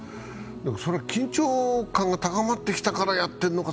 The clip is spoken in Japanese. それは緊張感が高まってきたからやっているのか、